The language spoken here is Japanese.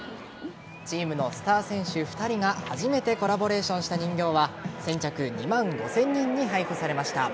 チームのスター選手２人が初めてコラボレーションした人形は先着２万５０００人に配布されました。